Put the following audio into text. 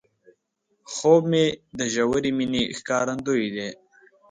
خوب د ژورې مینې ښکارندوی دی